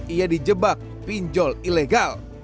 ia di jebak pinjol ilegal